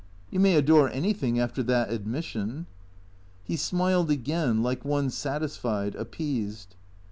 You may adore anything — after that admission." He smiled again, like one satisfied, appeased.